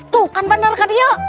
tuh kan bener kak dia